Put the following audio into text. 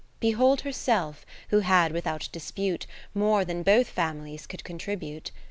Behold herself, who had without dispute, More than both families could contribute.